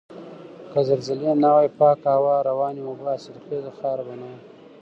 که زلزلې نه وای پاکه هوا، روانې اوبه، حاصلخیزه خاوره به نه وای.